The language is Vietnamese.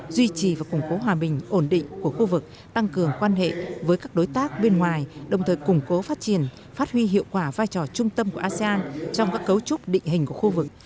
duy trì và củng cố hòa bình ổn định của khu vực tăng cường quan hệ với các đối tác bên ngoài đồng thời củng cố phát triển phát huy hiệu quả vai trò trung tâm của asean trong các cấu trúc định hình của khu vực